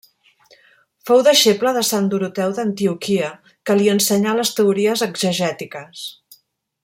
Fou deixeble de Sant Doroteu d'Antioquia, que li ensenyà les teories exegètiques.